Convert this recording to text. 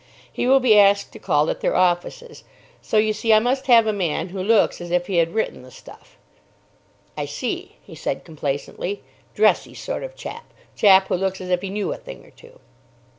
He will be asked to call at their offices. So you see I must have a man who looks as if he had written the stuff." "I see," he said complacently. "Dressy sort of chap. Chap who looks as if he knew a thing or two."